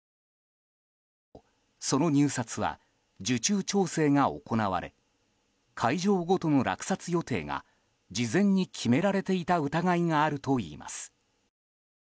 その入札は受注調整が行われ会場ごとの落札予定が事前に決められていた疑いがあるといいます。